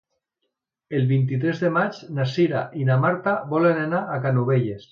El vint-i-tres de maig na Cira i na Marta volen anar a Canovelles.